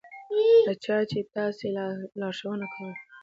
د چا چې تاسې لارښوونه کوئ.